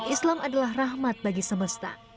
islam adalah rahmat bagi semesta